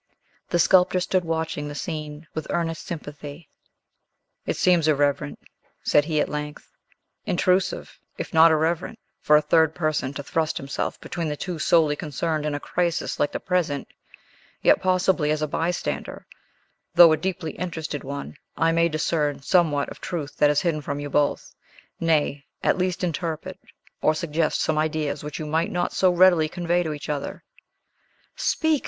The sculptor stood watching the scene with earnest sympathy. "It seems irreverent," said he, at length; "intrusive, if not irreverent, for a third person to thrust himself between the two solely concerned in a crisis like the present. Yet, possibly as a bystander, though a deeply interested one, I may discern somewhat of truth that is hidden from you both; nay, at least interpret or suggest some ideas which you might not so readily convey to each other." "Speak!"